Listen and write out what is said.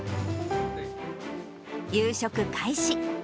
夕食開始。